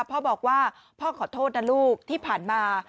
พ่อบอกว่าพ่อขอโทษนะลูกที่ผ่านมา